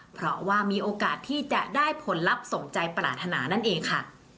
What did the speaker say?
เพราะว่ามีโอกาสที่จะได้ผลลัพธ์สมใจปรารถนานั่นเองค่ะ